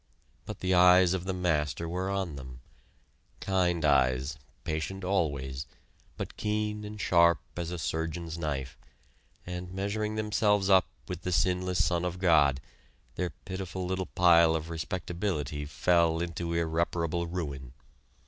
But the eyes of the Master were on them kind eyes, patient always, but keen and sharp as a surgeon's knife; and measuring themselves up with the sinless Son of God, their pitiful little pile of respectability fell into irreparable ruin.